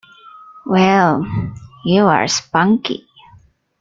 Well, you are spunky!